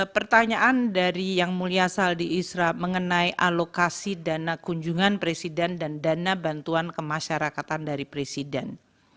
pertanyaan dari yang mulia saldi isra mengenai alokasi dana kunjungan presiden dan dana bantuan kemasyarakatan dari presiden